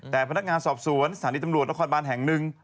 แต่พนักงานสอบสวนสถานีตำรวจนครบานแห่งหนึ่ง